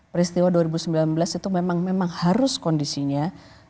peristiwa dua ribu sembilan belas itu memang harus kondisinya